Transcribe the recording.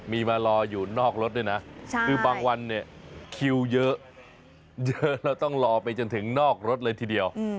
มีมารออยู่นอกรถด้วยนะคือบางวันเนี่ยคิวเยอะเยอะแล้วต้องรอไปจนถึงนอกรถเลยทีเดียว